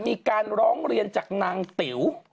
มีการร้องเรียนจากนางติ๋ว